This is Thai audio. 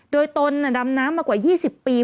โดยตนดำน้ำมากว่า๒๐ปี